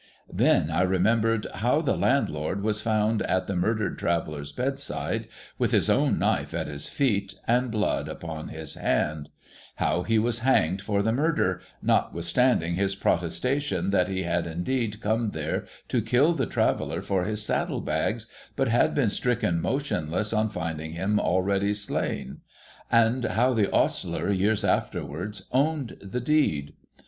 Then I remembered how the landlord was found at the murdered traveller's bedside, with his own knife at his feet, and blood upon his hand ; how he was hanged for the murder, notwithstanding his protestation that he had indeed come there to kill the traveller for his saddle bags, but had been THE MITRE INN 95 stricken motionless on finding him already slain ; and how the ostler, years afterwards, owned the deed.